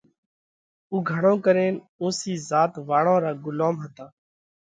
اُو گھڻو ڪرينَ اُونسِي ذات واۯون را ڳُلوم هتا۔